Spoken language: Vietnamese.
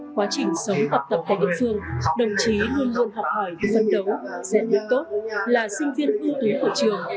quá trình sống học tập tại địa phương đồng chí luôn luôn học hỏi phấn đấu dạy luyện tốt là sinh viên ưu tú của trường